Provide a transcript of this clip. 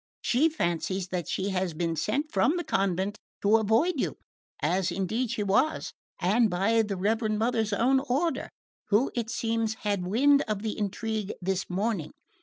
She fancies that she has been sent from the convent to avoid you as indeed she was, and by the Reverend Mother's own order, who, it seems, had wind of the intrigue this morning.